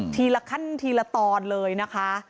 ละขั้นทีละตอนเลยนะคะ